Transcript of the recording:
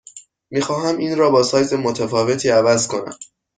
می خواهم این را با سایز متفاوتی عوض کنم.